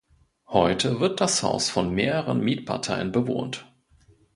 Heute wird das Haus von mehreren Mietparteien bewohnt.